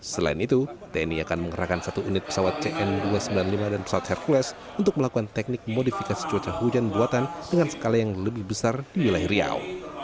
selain itu tni akan mengerahkan satu unit pesawat cn dua ratus sembilan puluh lima dan pesawat hercules untuk melakukan teknik modifikasi cuaca hujan buatan dengan skala yang lebih besar di wilayah riau